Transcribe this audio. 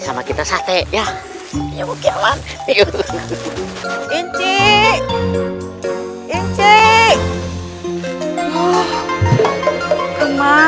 ibu ibu ini ada sate ya ibu coba progressing ikuci ha owo